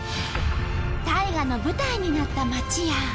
大河の舞台になった町や。